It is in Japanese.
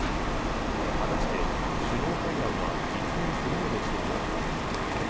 果たして、首脳会談は実現するのでしょうか。